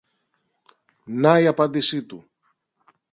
Να η απάντηση του!